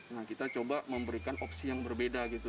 nah kita coba memberikan opsi yang berbeda gitu